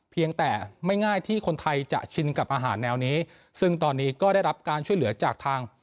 เพียงแต่ไม่ง่ายที่คนไทยจะชินกับอาหารแนวนี้ซึ่งตอนนี้ก็ได้รับการช่วยเหลือจากทาง